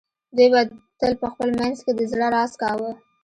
دوی به تل په خپل منځ کې د زړه راز کاوه